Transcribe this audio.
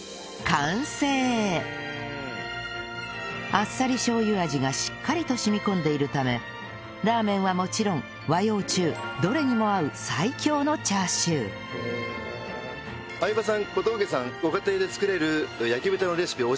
あっさりしょう油味がしっかりと染み込んでいるためラーメンはもちろん和洋中どれにも合う最強のチャーシューありがとうございます。